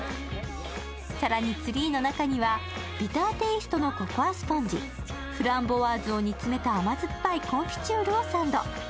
更にツリーの中にはビターテイストのココアスポンジ、フランボワーズを煮詰めた甘酸っぱいコンフィチュールをサンド。